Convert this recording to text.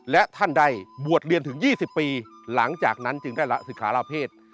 และท่านได้บวชเรียนถึง๒๐ปีหลังจากนั้นจึงได้ละศึกษาลาเพศ